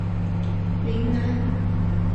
云南省是中国地震活动最活跃的省份之一。